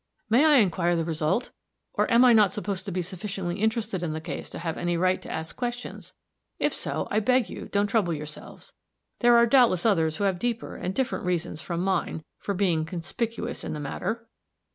"May I inquire the result? or am I not supposed to be sufficiently interested in the case to have any right to ask questions? If so, I beg you, don't trouble yourselves. There are doubtless others who have deeper and different reasons from mine, for being conspicuous in the matter."